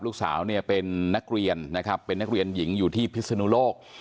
ลูกสาวเนี่ยเป็นนักเรียนนะครับเป็นนักเรียนหญิงอยู่ที่พิศนุโลก